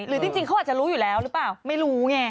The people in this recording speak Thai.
จริงเขาอาจจะรู้อยู่แล้วหรือเปล่าไม่รู้ไง